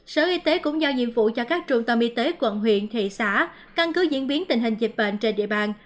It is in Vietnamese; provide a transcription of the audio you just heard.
sở y tế cũng giao nhiệm vụ cho các trung tâm y tế quận huyện thị xã căn cứ diễn biến tình hình dịch bệnh trên địa bàn